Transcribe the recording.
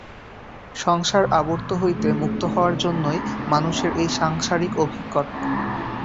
সংসার-আবর্ত হইতে মুক্ত হওয়ার জন্যই মানুষের এই সাংসারিক অভিজ্ঞতা।